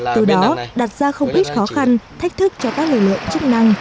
từ đó đặt ra không ít khó khăn thách thức cho các lực lượng chức năng